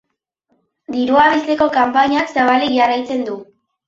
Dirua biltzeko kanpainak zabalik jarraitzen du.